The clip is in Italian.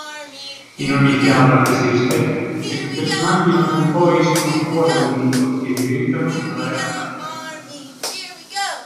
In ogni fiaba che si rispetti questi personaggi dopo un po' escono fuori dal libro e diventano la realtà.